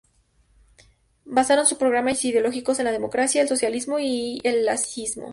Basaron su programa ideológico en la democracia, el socialismo y el laicismo.